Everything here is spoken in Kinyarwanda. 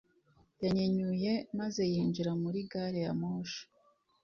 Yanyenyuye maze yinjira muri gari ya moshi.